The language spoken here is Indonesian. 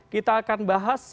kita akan bahas